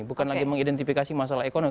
bukan lagi mengidentifikasi masalah ekonomi